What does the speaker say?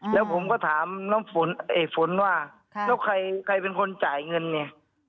แล้วผมก็ถามน้ำฝนว่าแล้วใครเป็นคนจ่ายเงินเนี่ย